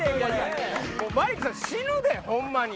マリックさん死ぬでホンマに。